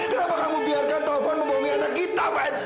kenapa kamu biarkan tovan membohongi anak kita ben